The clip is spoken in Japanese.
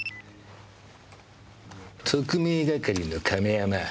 特命係の亀山！